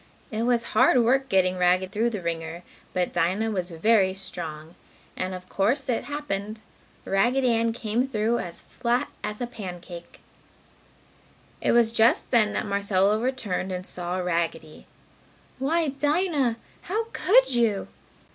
It was hard work getting Raggedy through the wringer, but Dinah was very strong. And of course it happened! Raggedy Ann came through as flat as a pancake. It was just then, that Marcella returned and saw Raggedy. "Why, Dinah! How could you!"